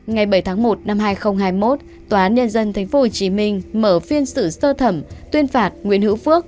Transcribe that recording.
ngày bảy tháng một năm hai nghìn hai mươi một tòa án nhân dân tp hcm mở phiên xử sơ thẩm tuyên phạt nguyễn hữu phước